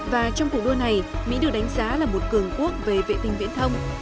và trong cuộc đua này mỹ được đánh giá là một cường quốc về vệ tinh viễn thông